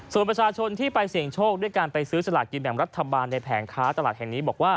ส่วนประชาชนที่ไปเสี่ยงโชคด้วยการไปซื้อสลากกินแบ่งรัฐบาลในแผงค้าตลาดแห่งนี้บอกว่า